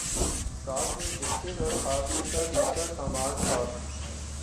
ساتھ میں بسکٹ اور کھا پ کا دوسرا سامان تھے